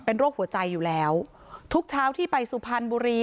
เป็นโรคหัวใจอยู่แล้วทุกเช้าที่ไปสุพรรณบุรี